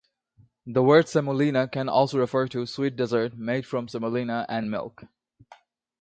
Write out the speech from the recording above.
The word "semolina" can also refer to sweet dessert made from semolina and milk.